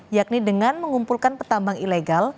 yakni dengan mengumpulkan petambang ilegal